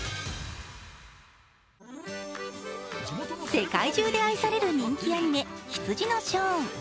世界中で愛される人気アニメ「ひつじのショーン」。